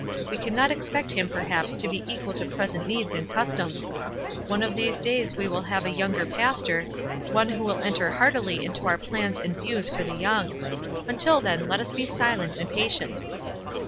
We cannot expect him perhaps to be equal to present needs and customs. One of these days we will have a younger pastor, one who will enter h( •irtily into our plans and views for the young. Until then let us be silent and patient.